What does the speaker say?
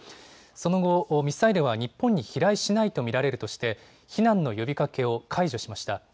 その後、ミサイルは日本に飛来しないと見られるとして避難の呼びかけを解除しました。